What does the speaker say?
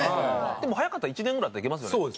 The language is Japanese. でも早かったら１年ぐらいでできますよね。